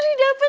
sri dapet dua